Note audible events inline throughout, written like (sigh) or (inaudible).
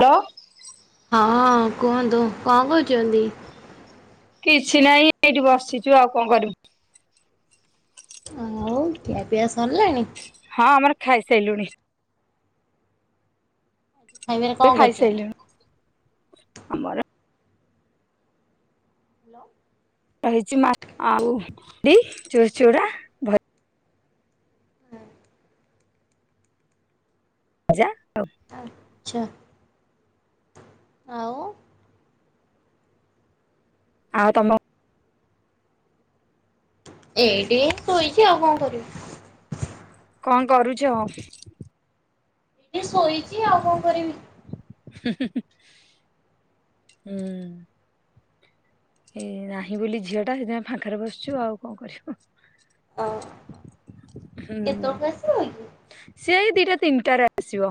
(inaudible) ଲୋ। ହଁ କୁହନ୍ତୁ କଣ କହୁଚନ୍ତି? କିଛି ନାହିଁ ଏଇଠି ବସିଛୁ ଆଉ କଣ କରିବୁ। ହଉ ଖିଆ ପିଆ ସଲାଣି? ହଁ ଆମର ଖାଇସାଇଲୁଣି। ଖାଇବାରେ କଣ (inaudible) କରିଛନ୍ତି? ଖାଇସାଇଲୁଣୁ। ଆମର (unintelligible) ରହିଛି ମା ଆଉ (unintelligible) ଚୁଡଚୁଡ଼ା। ହଁ। (unintelligible) ଆଛା। ଆଉ? ଆଉ ତମ ଏଇଠି ଶୋଇଛି ଆଉ କଣ କରିବୁ? କଁ କରୁଛ? ଟିକେ ଶୋଇଛି। ଆଉ କଣ କରିବି? ହୁଁ। ଏ ନାହିଁ ବୋଲି ଝିଅଟା ସେଥିପାଇଁ ଫାଙ୍କାରେ ବସିଛୁ। ଆଉ କଣ କରିବୁ? ହୁଁ। କେତେବେଳକୁ ଆସିବ କି? ସେଇ ଦିଟା ତିନିଟାରେ ଆସିବ।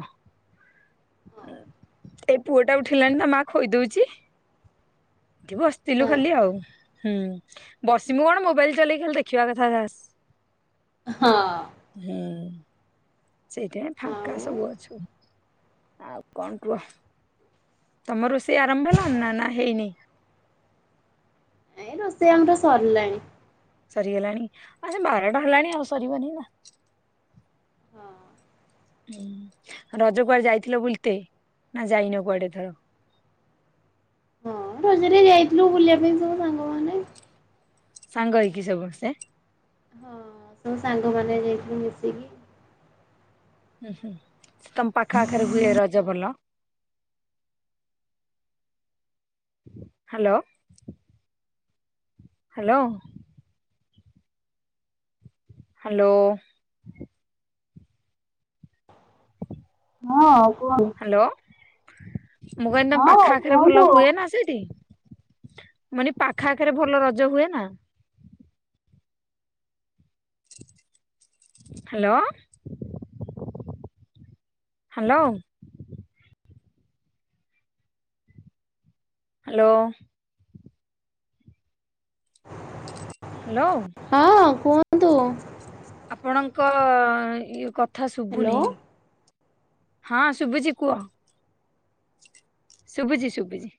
ଏ ପୁଅଟା ଉଠିଲାଣି ନା ମା ଖୋଇଦଉଛି। ଏଇଠି ବସ ଥିଲୁ ଖାଲି ଆଉ। ହୁଁ ବସିମୁ କଣ ମୋବାଇଲ ଚଲେଇକି ଖଲି ଦେଖିବା କଥା ଖାସ୍। ହଁ। ହୁଁ। ସେଇଥି ପାଇଁ ଫାଙ୍କା ଆଉ ସବୁ ଅଛୁ। ଆଉ କଣ କୁହ? ତମ ରୋଷେଇ ଆରମ୍ଭ ହେଲଣି ନା ନା ହେଇନି? ଏ ରୋଷେଇ ଆମର ସରିଲାଣି। ସରିଗଲାଣି। ଆ ସେ ବାରଟା ହେଲାଣି ଆଉ ସରିବନି ନା। ହୁଁ। ରଜ କୁଆଡେ ଯାଇଥିଲ ବୁଲିତେ? ନା ଯାଇନ କୁଆଡେ ଏଥର? ହଁ ରଜରେ ଯାଇଥିଲୁ ବୁଲିବା ପାଇଁ ସବୁ ସାଙ୍ଗ ସାଙ୍ଗ ହେଇକି ସମସ୍ତେ? ହଁ। ଆଉ ସାଙ୍ଗମାନେ ଯାଇଥିଲୁ ମିଶିକି ହୁଁ ହୁଁ। ତମ ପାଖ ଆଖରେ ହୁଏ ରଜ ଭଲ? ହ୍ୟାଲୋ? ହ୍ୟାଲୋ? ହ୍ୟାଲୋ? ହଁ କୁହ। ହ୍ୟାଲୋ! ମୁଁ କହିନି ତମ ହଁ ପାଖ ଆଖରେ କୁହନ୍ତୁ। ଭଲ ହୁଏ ନା ସେଇଠି? ମାନେ ପାଖ ଆଖରେ ଭଲ ରଜ ହୁଏ ନା? ହ୍ୟାଲୋ! ହ୍ୟାଲୋ! ହ୍ୟାଲୋ? ହ୍ୟାଲୋ? ହଁ କୁହନ୍ତୁ। ଆପଣଙ୍କ ଇ-କଥା ଶୁଭୁନି। ହ୍ୟାଲୋ। ହଁ ଶୁଭୁଛି କୁହ। ଶୁଭୁଛି ଶୁଭିଛି।